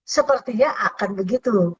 sepertinya akan begitu